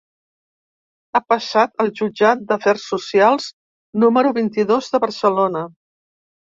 Ha passat al jutjat d’afers socials número vint-i-dos de Barcelona.